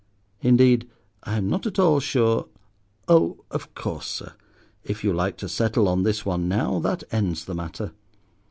Indeed, I am not at all sure—Oh, of course, sir, if you like to settle on this one now, that ends the matter.